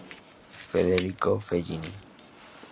Federico Fellini.